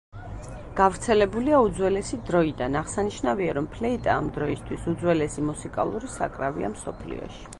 გავრცელებულია უძველესი დროიდან, აღსანიშნავია, რომ ფლეიტა ამ დროისთვის უძველესი მუსიკალური საკრავია მსოფლიოში.